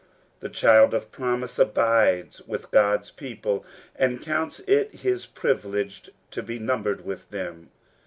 The child of the promise abides with God*s people, and counts it his privilege to be numbered with them.